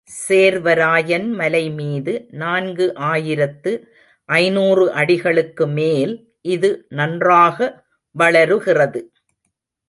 சேர்வராயன் மலைமீது நான்கு ஆயிரத்து ஐநூறு அடிகளுக்கு மேல் இது நன்றாக வளருகிறது.